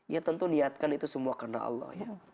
ya tentu niatkan itu semua karena allah ya